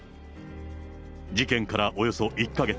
事件からおよそ１か月。